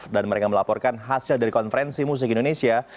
dan mereka melaporkan hasil dari konferensi musik indonesia